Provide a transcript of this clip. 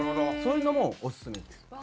そういうのもおすすめです。